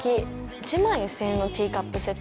１万１０００円のティーカップセット